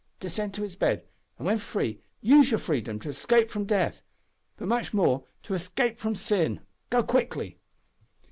Descend to its bed, and, when free, use your freedom to escape from death but much more, to escape from sin. Go quickly!"